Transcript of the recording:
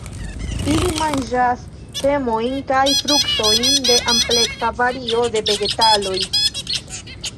Ili manĝas semojn kaj fruktojn de ampleksa vario de vegetaloj.